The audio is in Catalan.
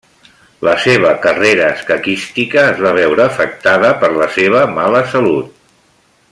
La seva carrera escaquística es va veure afectada per la seva mala salut.